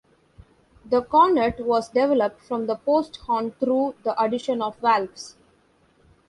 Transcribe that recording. The cornet was developed from the post horn through the addition of valves.